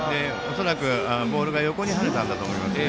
恐らくボールが横にはねたんだと思います。